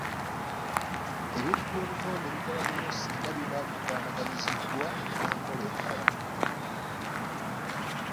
Ebintu by’obutonde bikola nnyo ssinga biba bikwanaganyiziddwa n’enkola endala.